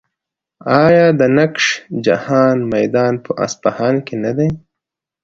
آیا د نقش جهان میدان په اصفهان کې نه دی؟